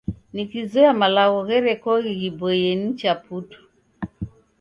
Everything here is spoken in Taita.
Nikizoya malagho gherekoghe ghiboie nicha putu.